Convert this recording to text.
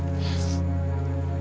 aku sudah mencintai kamila